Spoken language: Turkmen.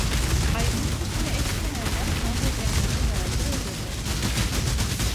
Aýdymyň sesini eştmeýänler tans edýänlere dälidir öýderler.